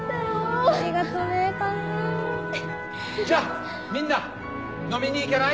じゃみんな飲みに行かない？